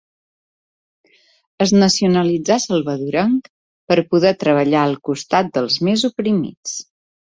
Es nacionalitzà salvadorenc per poder treballar al costat dels més oprimits.